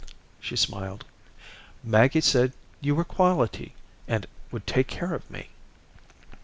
She smiled. "Maggie said you were 'quality,' and would take care of me."